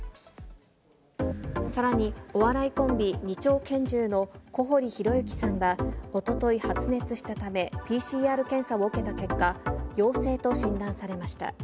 さらに、お笑いコンビ、２丁拳銃の小堀裕之さんがおととい発熱したため、ＰＣＲ検査を受けた結果、陽性と診断されました。